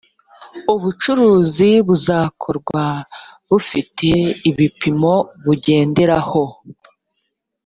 bucuruzi buzakorwa bufite ibipimo bugenderaho